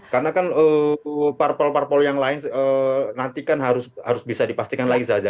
karena kan parpol parpol yang lain nanti kan harus bisa dipastikan lagi saja